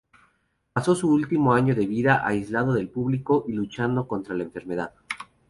Pasó su último año de vida aislado del público y luchando contra la enfermedad.